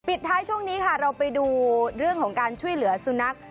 ท้ายช่วงนี้ค่ะเราไปดูเรื่องของการช่วยเหลือสุนัข